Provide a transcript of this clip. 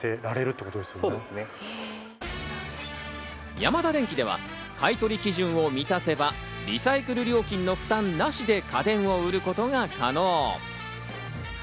ヤマダデンキでは、買い取り基準を満たせば、リサイクル料金の負担なしで家電を売ることが可能。